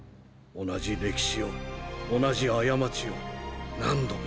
同じ歴史を同じ過ちを何度も。